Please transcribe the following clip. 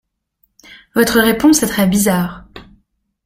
Votre réponse est très bizarre.